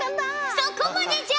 そこまでじゃ！